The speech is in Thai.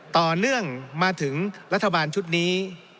ต่อเนื่องมาถึงรัฐบาลชุดนี้